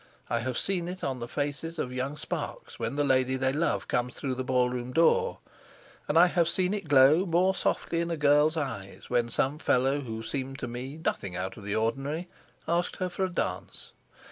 I have seen it on the faces of young sparks when the lady they love comes through the ball room door, and I have seen it glow more softly in a girl's eyes when some fellow who seemed to me nothing out of the ordinary asked her for a dance.